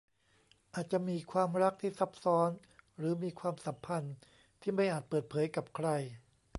อาจจะมีความรักที่ซับซ้อนหรือมีความสัมพันธ์ที่ไม่อาจเปิดเผยกับใคร